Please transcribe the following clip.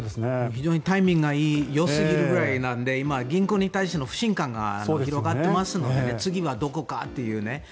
非常にタイミングがよすぎるくらいなので今、銀行に対しての不信感が広がってますので次はどこかっていうね。